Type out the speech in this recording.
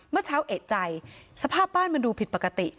เมื่อเช้าเอกใจสภาพบ้านมันดูผิดปกติ